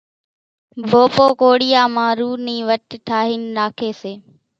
ڀوپو ڪوڙيان مان رُو نِي وٽِ ٺاھين ناکي سي